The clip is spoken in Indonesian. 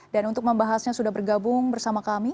dan untuk membahasnya sudah bergabung bersama kami